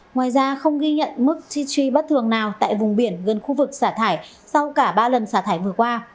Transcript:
ngoài ra không ghi nhận mức chi truy bất thường nào tại vùng biển gần khu vực xả thải sau cả ba lần xả thải vừa qua